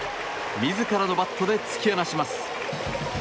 自らのバットで突き放します。